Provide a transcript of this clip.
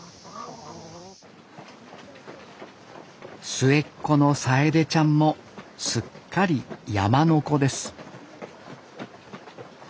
末っ子の朗手ちゃんもすっかり「山の子」です